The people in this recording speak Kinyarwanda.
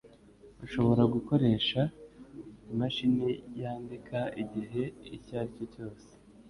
Urashobora gukoresha imashini yandika igihe icyo aricyo cyose.